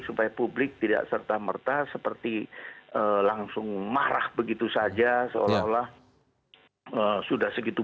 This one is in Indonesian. supaya publik tidak serta merta seperti langsung marah begitu saja seolah olah sudah segitu